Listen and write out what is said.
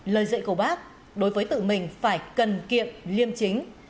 lời dạy của bác đối với tự mình phải cần kiệm liêm chính